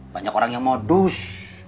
banyak orang yang modus